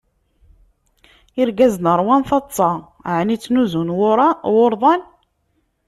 Irgazen ṛwan taḍsa. ɛni ttnuzun wurḍan?